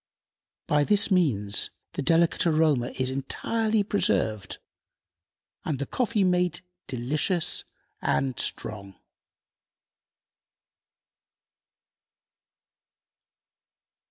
By this means the delicate aroma is entirely preserved, and the coffee made delicious and strong.